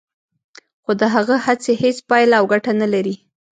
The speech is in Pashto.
خو د هغه هڅې هیڅ پایله او ګټه نه لري